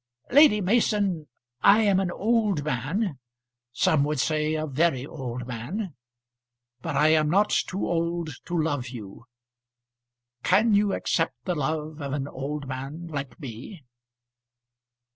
Lady Mason, I am an old man, some would say a very old man. But I am not too old to love you. Can, you accept the love of an old man like me?"